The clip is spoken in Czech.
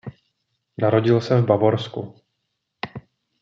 Narodil se v Bavorsku.